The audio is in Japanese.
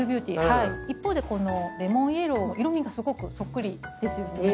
一方でこのレモンイエロー色みすごくそっくりですよね。